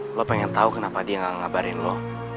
lu pengen tau kenapa dia gak ngabarin lu